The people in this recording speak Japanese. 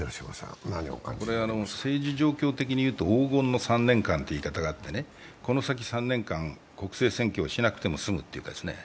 これ、政治状況的に言うと黄金の３年間という言い方があってこの先３年間、国政選挙をしなくて済むんですね。